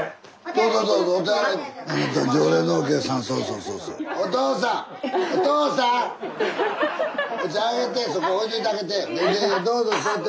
どうぞ座って。